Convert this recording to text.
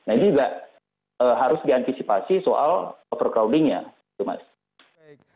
nah ini juga harus diantisipasi soal overcrowding nya itu mas